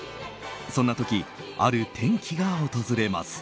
そんな時、ある転機が訪れます。